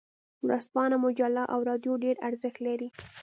ورځپاڼه، مجله او رادیو ډیر ارزښت لري.